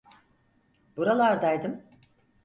Buralardaydım.